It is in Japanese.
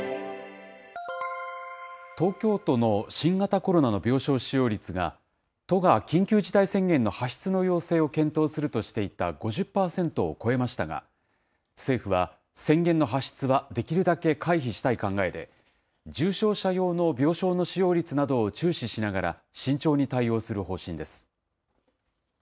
東京都の新型コロナの病床使用率が、都が緊急事態宣言の発出の要請を検討するとしていた５０％を超えましたが、政府は、宣言の発出はできるだけ回避したい考えで、重症者用の病床の使用率などを注視しながら、慎重に対応する方針です。